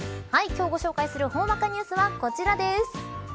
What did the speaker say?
今日ご紹介するほんわかニュースはこちらです。